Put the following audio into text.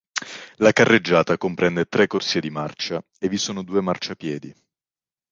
La carreggiata comprende tre corsie di marcia e vi sono due marciapiedi.